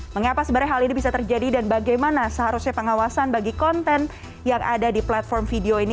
mengapa sebenarnya hal ini bisa terjadi dan bagaimana seharusnya pengawasan bagi konten yang ada di platform video ini